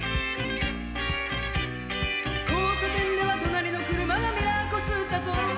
「交差点では隣りの車がミラーこすったと」